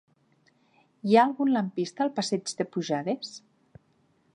Hi ha algun lampista al passeig de Pujades?